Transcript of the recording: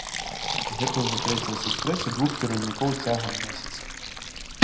Гэта ўжо трэцяя сустрэча двух кіраўнікоў цягам месяца.